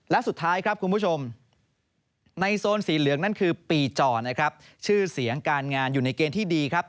และสุดท้ายครับคุณผู้ชมในโซนสีเหลืองนั่นคือปีจอนะครับชื่อเสียงการงานอยู่ในเกณฑ์ที่ดีครับ